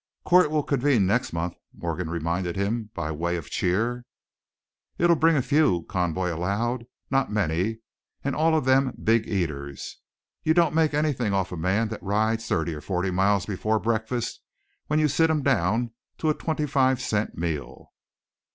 "Court will convene next month," Morgan reminded him by way of cheer. "It'll bring a few," Conboy allowed, "not many, and all of them big eaters. You don't make anything off of a man that rides thirty or forty miles before breakfast when you sit him down to a twenty five cent meal."